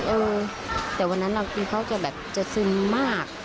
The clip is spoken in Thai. เออแต่วันนั้นเรากินเขาจะแบบจะซึมมาก